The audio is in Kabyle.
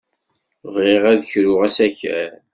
Bɣiɣ ad d-kruɣ asakal.